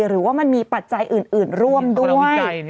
หรือว่ามันมีปัจจัยอื่นร่วมด้วย